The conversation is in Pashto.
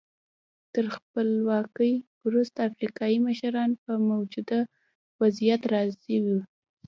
تر خپلواکۍ وروسته افریقایي مشران په موجوده وضعیت راضي وو.